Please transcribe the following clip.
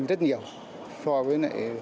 rất nhiều so với